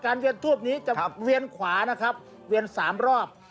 เวียนทูปนี้จะเวียนขวานะครับเวียน๓รอบ